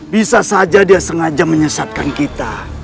bisa saja dia sengaja menyesatkan kita